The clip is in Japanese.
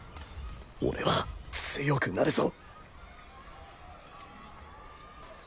俺は強くなるぞ。